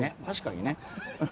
確かにね。